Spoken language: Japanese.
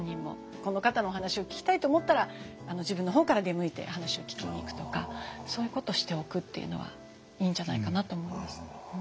この方のお話を聞きたいと思ったら自分の方から出向いて話を聞きに行くとかそういうことをしておくっていうのはいいんじゃないかなと思います。